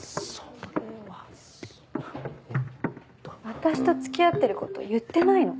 私と付き合ってること言ってないの？